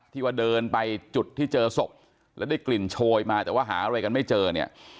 ที่ว่าเดินไปจุดที่เจอศพแล้วได้กลิ่นโชยมาแต่ว่าหาอะไรกันไม่เจอเนี่ย